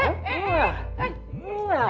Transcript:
keren juga deh